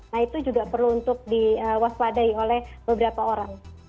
nah itu juga perlu untuk diwaspadai oleh beberapa orang